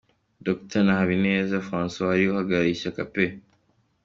D na Harerimana Francois wari uhagarariye ishyaka P.